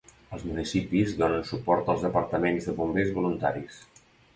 Els municipis donen suport als departaments de bombers voluntaris.